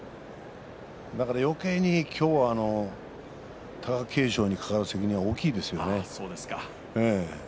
だからよけいに今日は貴景勝にかかる責任が大きいですね。